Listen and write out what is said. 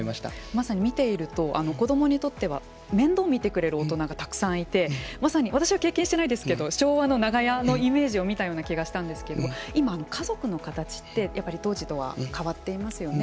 まさに見ていると子どもにとっては面倒を見てくれる大人がたくさんいてまさに私は経験してないですけど昭和の長屋のイメージを見たような気がしたんですけど今、家族の形って当時とは変わっていますよね。